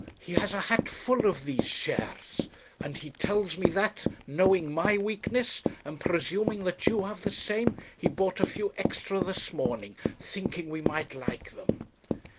He has a hat full of these shares, and he tells me that, knowing my weakness, and presuming that you have the same, he bought a few extra this morning, thinking we might like them.